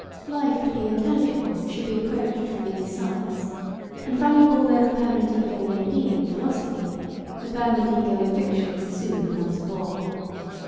Life to be intelligible should be approached from many sides, and valuable though the permanent ego may be in philosophy, the permanent ego in fiction soon becomes a bore.